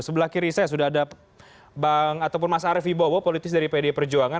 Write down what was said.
sebelah kiri saya sudah ada mas arief ibowo politis dari pd perjuangan